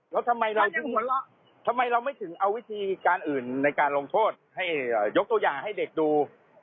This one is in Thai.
แล้วทำไมเราถึงทำไมเราไม่ถึงเอาวิธีการอื่นในการลงโทษให้ยกตัวอย่างให้เด็กดู